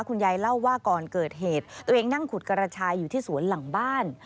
เล่าว่าก่อนเกิดเหตุตัวเองนั่งขุดกระชายอยู่ที่สวนหลังบ้าน